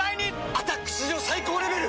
「アタック」史上最高レベル！